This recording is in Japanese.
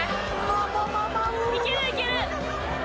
いけるいける。